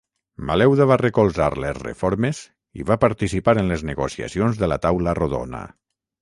Maleuda va recolzar les reformes i va participar en les negociacions de la taula rodona.